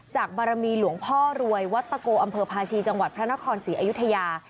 บารมีหลวงพ่อรวยวัดตะโกอำเภอภาชีจังหวัดพระนครศรีอยุธยา